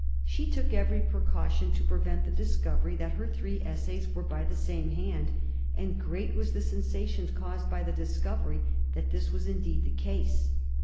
She took every precaution to prevent the discovery that her three essays were by the same hand; and great was the sensation caused by the discovery that this was indeed the case.